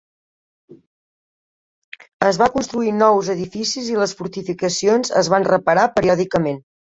Es van construir nous edificis i les fortificacions es van reparar periòdicament.